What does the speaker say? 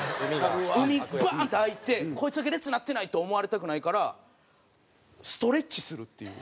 海バーン！って空いてこいつだけ列になってないって思われたくないからストレッチするっていう。